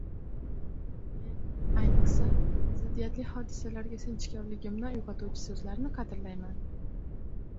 Men, ayniqsa, ziddiyatli hodisalarga sinchkovligimni uyg‘otuvchi so'zlarni qadrlayman.